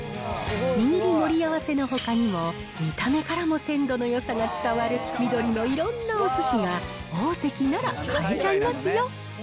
握り盛り合わせのほかにも、見た目からも鮮度のよさが伝わる美登利のいろんなおすしが、オオゼキなら買えちゃいますよ。